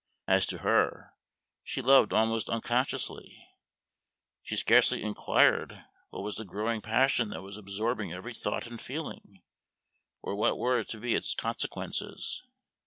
As to her, she loved almost unconsciously; she scarcely inquired what was the growing passion that was absorbing every thought and feeling, or what were to be its consequences.